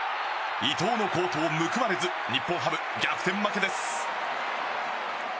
伊藤の好投報われず日本ハム逆転負けです。